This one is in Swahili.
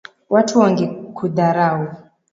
Watu Wangekudharau